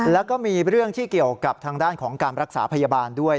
แล้วก็มีเรื่องที่เกี่ยวกับทางด้านของการรักษาพยาบาลด้วย